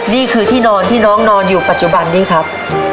นี่คือที่นอนที่น้องนอนอยู่ปัจจุบันนี้ครับ